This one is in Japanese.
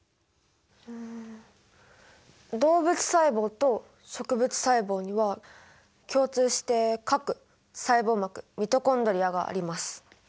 うん動物細胞と植物細胞には共通して核細胞膜ミトコンドリアがあります。